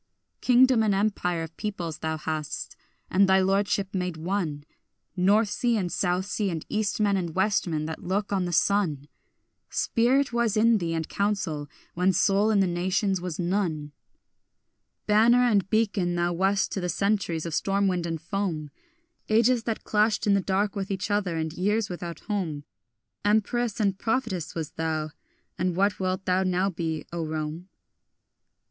Kingdom and empire of peoples thou hadst, and thy lordship made one North sea and south sea and east men and west men that look on the sun; Spirit was in thee and counsel, when soul in the nations was none. Banner and beacon thou wast to the centuries of storm wind and foam, Ages that clashed in the dark with each other, and years without home; Empress and prophetess wast thou, and what wilt thou now be, O Rome?